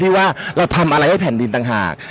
คือทำอะไรให้แผ่นดินต่างหาก